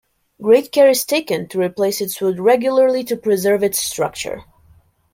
Great care is taken to replace its wood regularly to preserve its structure.